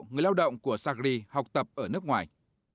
người lao động của sacri học tập ở nước ngoài